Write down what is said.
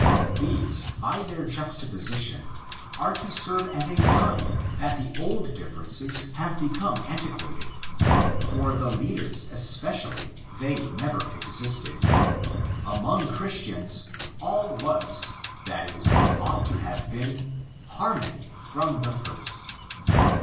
These, by their juxtaposition, are to serve as a sign that the old differences have become antiquated. For the leaders especially they never existed. Among Christians all was—that is, it ought to have been—harmony from the first.